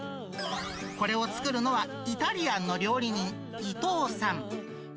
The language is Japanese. これを作るのは、イタリアンの料理人、伊藤さん。